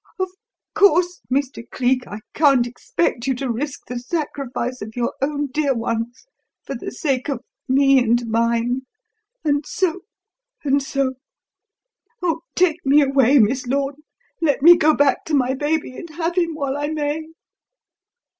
Of course, Mr. Cleek, I can't expect you to risk the sacrifice of your own dear ones for the sake of me and mine, and so and so Oh, take me away, Miss Lorne! Let me go back to my baby and have him while I may."